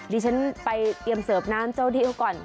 ดิฉันไปเตรียมเสิร์ฟน้ำเจ้าที่เขาก่อน